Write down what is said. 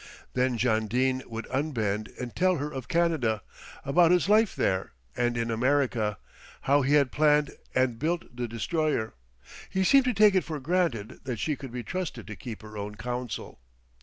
Then John Dene would unbend and tell her of Canada, about his life there and in America, how he had planned and built the Destroyer. He seemed to take it for granted that she could be trusted to keep her own counsel.